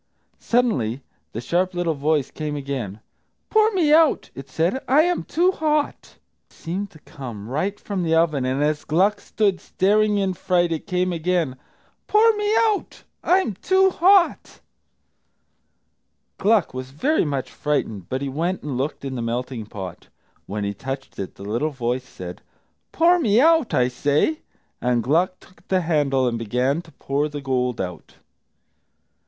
Suddenly the sharp little voice came again. "Pour me out," it said, "I am too hot!" It seemed to come right from the oven, and as Gluck stood, staring in fright, it came again, "Pour me out; I'm too hot!" Gluck was very much frightened, but he went and looked in the melting pot. When he touched it, the little voice said, "Pour me out, I say!" And Gluck took the handle and began to pour the gold out.